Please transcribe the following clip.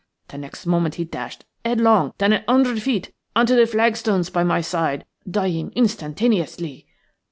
The next moment he dashed headlong down a hundred feet on to the flagstones by my side, dying instantaneously.